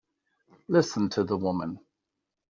Listen to the woman!